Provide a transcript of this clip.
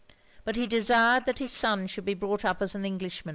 But he desired that his son should be brought up an Englishman."